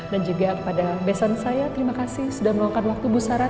dan juga kepada besan saya terima kasih sudah meluangkan waktu bu sarah